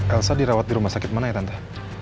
elsa dirawat di rumah sakit mana ya tante